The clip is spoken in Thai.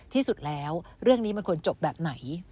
ที่สุดแล้วเรื่องนี้มันควรจบแบบไหน